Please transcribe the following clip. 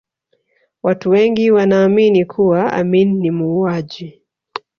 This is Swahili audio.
watu wengi wanaamini kuwa amin ni muuaji